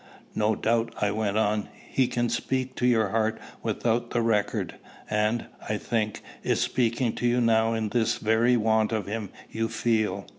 "No doubt," I went on, "he can speak to your heart without the record, and, I think, is speaking to you now in this very want of him you feel.